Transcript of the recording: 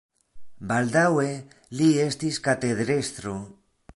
Baldaŭe li estis katedrestro.